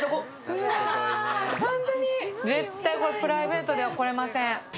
絶対これ、プライベートではこれません。